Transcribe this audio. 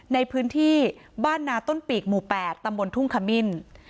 ในพื้นที่บ้านนาต้นปีกหมู่๘ตำบลทุ่งขมิ้น